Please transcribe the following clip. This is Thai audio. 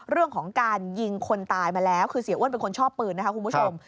เรื่องของการยิงคนตายมาแล้วคือเสียอ้วนเป็นคนชอบปืนนะคะคุณผู้ชม